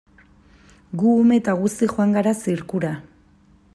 Gu ume eta guzti joan gara zirkura.